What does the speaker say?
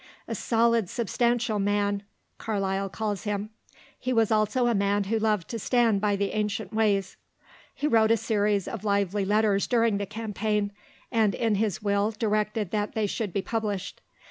"A solid, substantial man," Carlyle calls him; he was also a man who loved to stand by the ancient ways. He wrote a series of lively letters during the campaign, and in his will directed that they should be published.